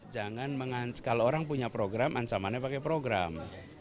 jangan kalau orang punya program ancamannya pakai program